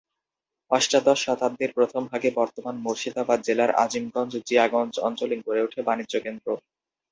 অষ্টাদশ শতাব্দীর প্রথম ভাগে বর্তমান মুর্শিদাবাদ জেলার আজিমগঞ্জ-জিয়াগঞ্জ অঞ্চলে গড়ে ওঠে বাণিজ্যকেন্দ্র।